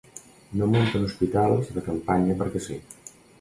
No munten hospitals de campanya perquè sí.